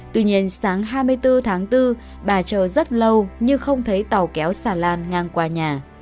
tuy nhiên sáng hai mươi bốn tháng bốn bà chờ rất lâu nhưng không thấy tàu kéo xà lan ngang qua nhà